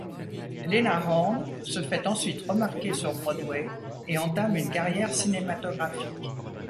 Lena Horne se fait ensuite remarquer sur Broadway et entame une carrière cinématographique.